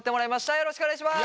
よろしくお願いします。